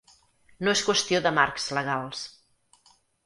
No és qüestió de marcs legals.